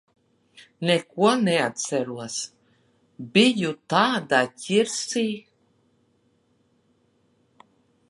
Neko neatceros. Biju tādā ķirsī.